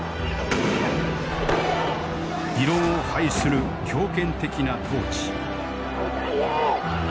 異論を排する強権的な統治。